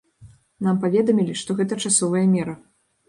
Нам паведамілі, што гэта часовая мера.